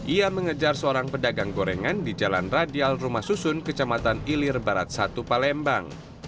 ia mengejar seorang pedagang gorengan di jalan radial rumah susun kecamatan ilir barat satu palembang